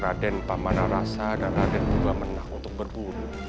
raden pamanarasa dan raden kipurwa menang untuk berburu